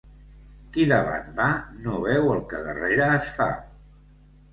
Qui davant va, no veu el que darrere es fa.